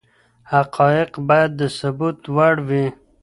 حقايق بايد د ثبوت وړ وي.